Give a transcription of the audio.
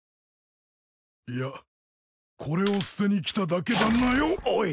いやこれを捨てに来ただけだなよ！おい！